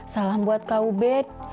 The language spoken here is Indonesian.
salam buat kak ubed